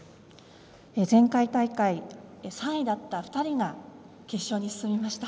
前回大会３位だった２人が決勝に進みました。